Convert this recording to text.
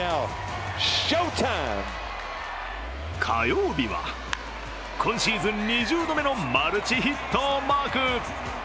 火曜日は今シーズン２０度目のマルチヒットをマーク。